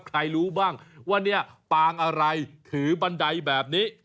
ใครรู้บ้างว่าเนี่ยปางอะไรถือบันไดแบบนี้